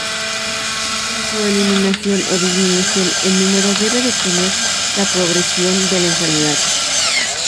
Su eliminación o disminución en número debe detener la progresión de la enfermedad.